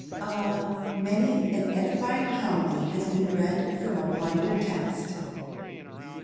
Ah! many an edifying homily has been read from a blinder text.